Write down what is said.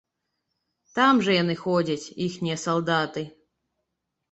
Там жа яны ходзяць, іхнія салдаты.